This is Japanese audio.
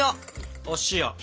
お塩。